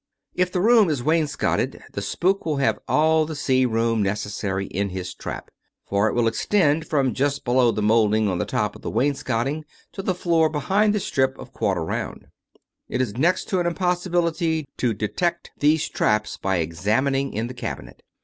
If the room is wainscoted the spook will have all the sea room necessary in his trap, for it will extend from just below the molding on the top of the wainscoting to the floor behind the strip of quarter round. ... It is next to an impossibility to detect these traps by examining in the cabinet.